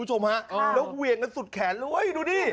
โอ้เรียบร้อย